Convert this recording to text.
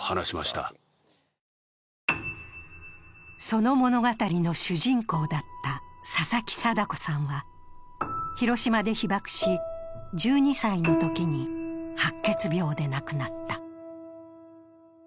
その物語の主人公だった佐々木禎子さんは広島で被爆し、１２歳のときに白血病で亡くなった。